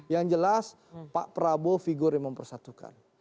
yang jelas pak prabowo figur yang mempersatukan